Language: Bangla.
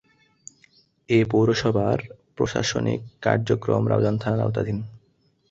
এ পৌরসভার প্রশাসনিক কার্যক্রম রাউজান থানার আওতাধীন।